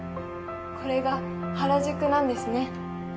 これが原宿なんですね。